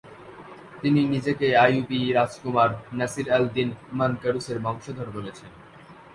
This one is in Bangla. তিনি নিজেকে আইয়ুবী রাজকুমার নাসির আল দীন মানকারুসের বংশধর বলেছেন।